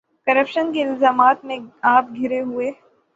Corruption کے الزامات میں آپ گھرے ہوں۔